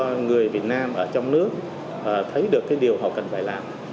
nó giúp cho người việt nam ở trong nước thấy được điều họ cần phải làm